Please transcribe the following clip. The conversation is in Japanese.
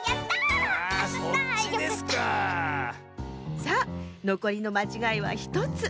さあのこりのまちがいは１つ。